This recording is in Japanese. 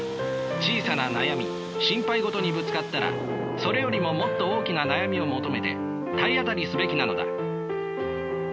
小さな悩み心配事にぶつかったらそれよりももっと大きな悩みを求めて体当たりすべきなのだ。